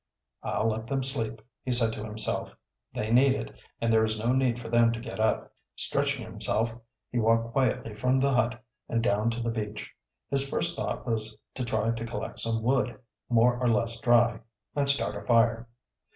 "I'll let them sleep," he said to himself "They need it and there is no need for them get to up." Stretching himself, he walked quietly from the hut and down to the beach. His first thought was to try to collect some wood, more or less dry, and start a fire.